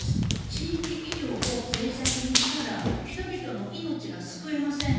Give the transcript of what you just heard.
地域医療をぜい弱にしたら、人々の命が救えません。